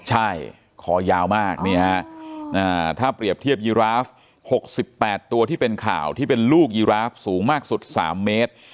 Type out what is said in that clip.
ใช่คอยาวมากถ้าเปรียบเทียบยีราฟ๖๘ตัวที่เป็นข่าวที่เป็นลูกยีราฟสูงมากสุด๓เมตร